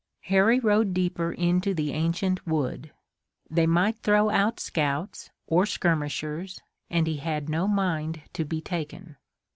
Harry rode deeper into the ancient wood. They might throw out scouts or skirmishers and he had no mind to be taken.